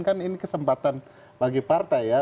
kan ini kesempatan bagi partai ya